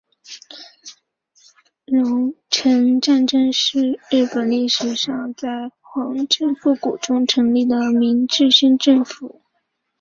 戊辰战争是日本历史上在王政复古中成立的明治新政府击败江户幕府势力的一次内战。